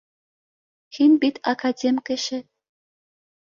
Һин бит академ кеше